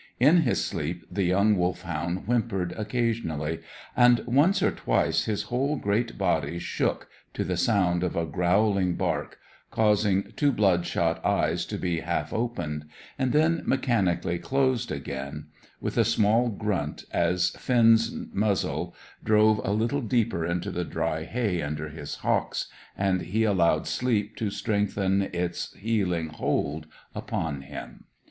In his sleep the young Wolfhound whimpered occasionally, and once or twice his whole great body shook to the sound of a growling bark, causing two bloodshot eyes to be half opened, and then mechanically closed again, with a small grunt, as Finn's muzzle drove a little deeper into the dry hay under his hocks, and he allowed sleep to strengthen its healing hold upon him.